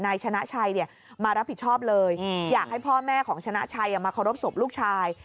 นายชนะชัยมารับผิดชอบเลยอยากให้พ่อแม่ของชนะชัยมาเคารพศพลูกชาย